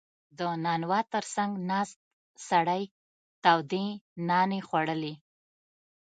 • د نانوا تر څنګ ناست سړی تودې نانې خوړلې.